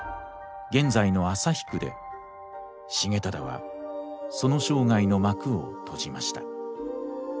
現在の旭区で重忠はその生涯の幕を閉じました。